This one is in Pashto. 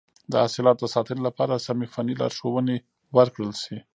د حاصلاتو د ساتنې لپاره سمه فني لارښوونه ورکړل شي.